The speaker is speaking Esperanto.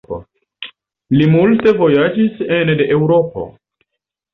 Li multe vojaĝis ene de Eŭropo.